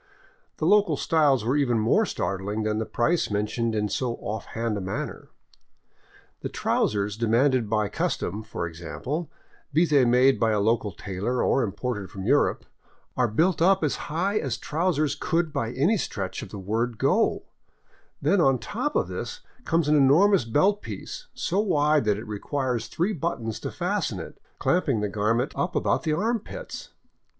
The local styles were even more startling than the price mentioned in so off hand a manner. The trousers demanded by custom, for ex ample, be they made by a local tailor or imported from Europe, are built up as high as trousers could by any stretch of the word go ; then on top of this comes an enormous belt piece, so wide that it requires three buttons to fasten it, clamping the garment up about the armpits.